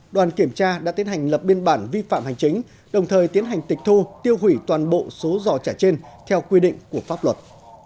đoàn kiểm tra đã tiến hành lập biên bản vi phạm hành chính đồng thời tiến hành tịch thu tiêu hủy toàn bộ số giò trả trên theo quy định của pháp luật